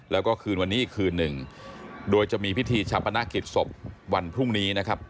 แล้วก็คืนวันนี้อีกคืนหนึ่งโดยจะมีพิธีชาปนกิจศพวันพรุ่งนี้นะครับ